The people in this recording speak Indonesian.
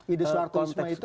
ide suharto yusma itu